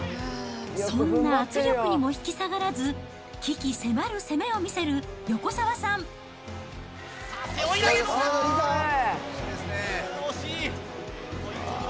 そんな圧力にも引き下がらず、鬼気迫る攻めを見せる横澤さんさあ、背負い投げ、どうだ？